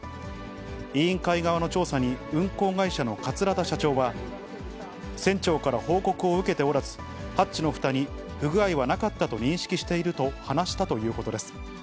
委員会側の調査に、運航会社の桂田社長は、船長から報告を受けておらず、ハッチのふたに不具合はなかったと認識していると話したということです。